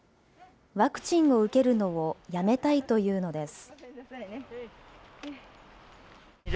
ワクチンを受けるのをやめたいというのです。